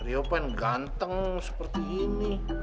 rio pen ganteng seperti ini